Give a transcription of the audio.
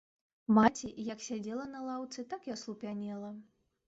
Маці, як сядзела на лаўцы, так і аслупянела.